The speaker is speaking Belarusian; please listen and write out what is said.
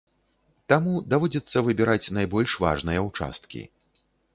Таму даводзіцца выбіраць найбольш важныя ўчасткі.